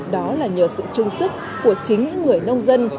đó là nhờ sự trung sức của chính những người nông dân